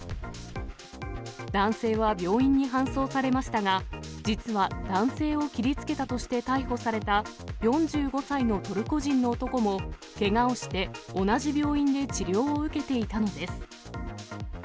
男性は病院に搬送されましたが、実は男性を切りつけたとして逮捕された４５歳のトルコ人の男も、けがをして同じ病院で治療を受けていたのです。